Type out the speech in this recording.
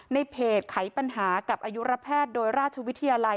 ในเพจไขปัญหากับอายุระแพทย์โดยราชวิทยาลัย